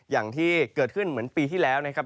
อย่างที่เกิดขึ้นเหมือนปีที่แล้วนะครับ